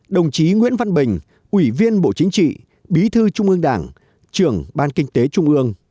đồng chí nguyễn văn bình ủy viên bộ chính trị bí thư trung ương đảng trưởng ban kinh tế trung ương